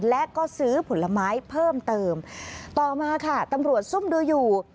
และก็ซื้อผลไม้เพิ่มเติมต่อมาค่ะตำรวจซุ่มดูอยู่